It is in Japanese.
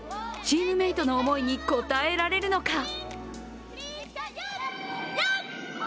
チームメイトの思いに応えられるのか。